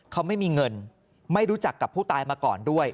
เขาไม่มีเงินไม่รู้จักกับผู้ตายมาก่อนด้วย